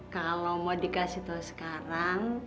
kalau mau dikasih tahu sekarang